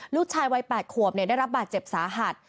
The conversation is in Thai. ลูกชายวัยแปดขวบเนี่ยได้รับบาดเจ็บสาหัส